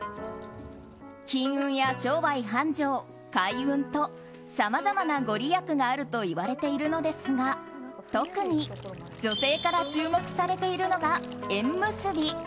金運や商売繁盛、開運とさまざまなご利益があると言われているのですが特に女性から注目されているのが縁結び。